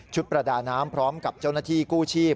ประดาน้ำพร้อมกับเจ้าหน้าที่กู้ชีพ